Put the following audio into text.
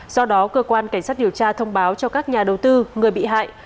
do đó cơ quan cảnh sát điều tra thông báo cho các nhà đầu tư người bị hại